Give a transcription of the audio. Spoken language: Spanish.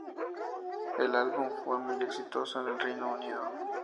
El álbum fue muy exitoso en el Reino Unido.